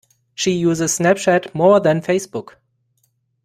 She uses SnapChat more than Facebook